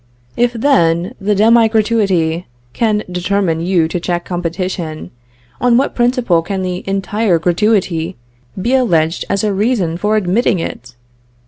If then the demi gratuity can determine you to check competition, on what principle can the entire gratuity be alleged as a reason for admitting it?